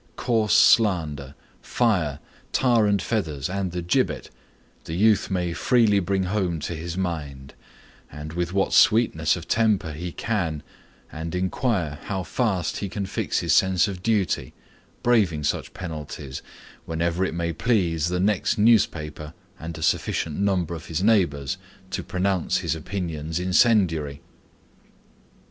Coarse slander, fire, tar and feathers and the gibbet, the youth may freely bring home to his mind and with what sweetness of temper he can, and inquire how fast he can fix his sense of duty, braving such penalties, whenever it may please the next newspaper and a sufficient number of his neighbors to pronounce his opinions incendiary.